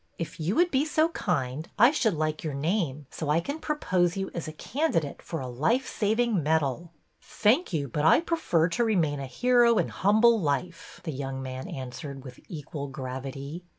" If you would be so kind, I should MERRYLEGS 35 like your name, so I can propose you as a candi date for a life saving medal/' Thank you, but I prefer to remain a ' hero in humble life,' " the young man answered, with equal gravity.